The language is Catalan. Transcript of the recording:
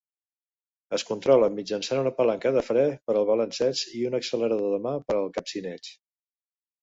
Es controla mitjançant una palanca de fre per al balanceig i un accelerador de mà per al capcineig.